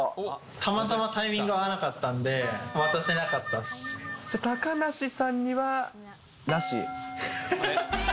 たまたまタイミング合わなかじゃ、高梨さんにはなし。